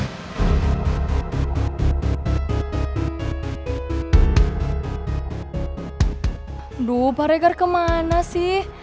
aduh pak regar kemana sih